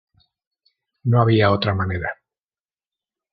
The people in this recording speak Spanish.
No había otra manera.